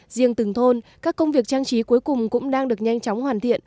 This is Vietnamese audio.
riêng từng thôn các công việc trang trí cuối cùng cũng đang được nhanh chóng hoàn thiện